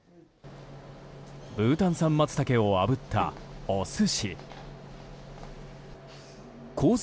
ブータン産マツタケをあぶったお寿司。コース